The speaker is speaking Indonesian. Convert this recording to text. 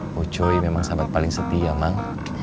bu cu memang sahabat paling setia mang